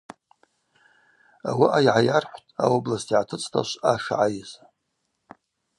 Ауаъа йгӏайархӏвтӏ, аобласт йгӏатыцӏта швъа шгӏайыз.